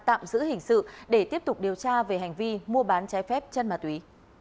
tạm giữ hình sự để tiếp tục điều tra về hành vi mua bán trái phép chân ma túy